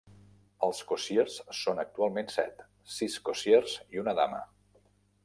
Els Cossiers són, actualment, set: sis cossiers i una dama.